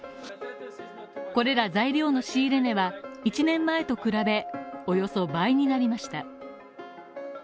これら材料の仕入れ値は１年前と比べ、およそ倍になりました。